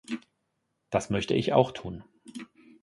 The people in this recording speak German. Das möchte ich auch tun.